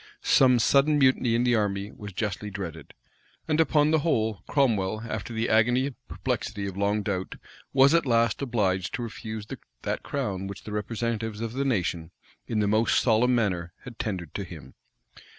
Some sudden mutiny in the army was justly dreaded. And upon the whole, Cromwell, after the agony and perplexity of long doubt, was at last obliged to refuse that crown which the representatives of the nation, in the most solemn manner, had tendered to him.